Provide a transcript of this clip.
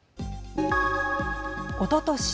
おととし